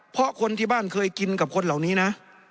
เพราะคนที่บ้านเคยกินกับคนเหล่านี้นะ